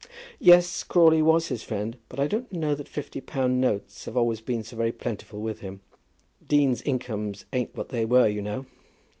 "Yes, Crawley was his friend; but I don't know that fifty pound notes have always been so very plentiful with him. Deans' incomes ain't what they were, you know."